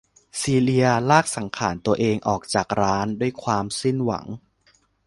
ซีเลียลากสังขาลตัวเองออกจากร้าน ด้วยความสิ้นหวัง